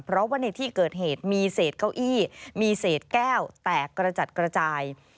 เพราะว่าในที่เกิดเหตุมีเศษเก้าอี้มีเศษแก้วแตกกระจัดกระจาย